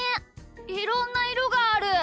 いろんないろがある。